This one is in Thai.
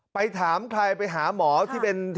ไปถามใครไปหาหมอที่เป็น